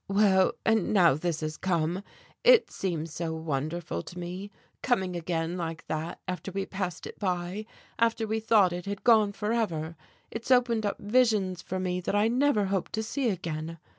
Well, and now this has come; it seems so wonderful to me, coming again like that after we had passed it by, after we thought it had gone forever; it's opened up visions for me that I never hoped to see again.